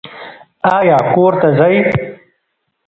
ایا کور ته ځئ؟